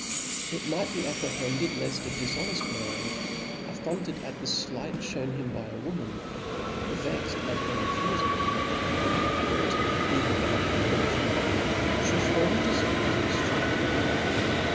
It might be apprehended left a diftioneft man, affronted at the flight Ihewn him by a woman, vexed at her refufal, and irritated even by her vir ? tue, fhould form a defign to deftroy her.